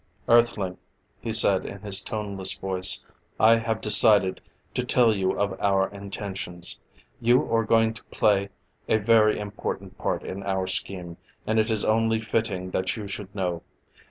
"Earthling," he said in his toneless voice, "I have decided to tell you of our intentions. You are going to play a very important part in our scheme, and it is only fitting that you should know.